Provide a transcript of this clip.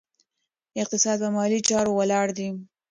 اقتصاد په مالي چارو ولاړ دی.